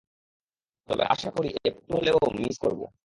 তবে আশা করি একটু হলেও মিস করবে।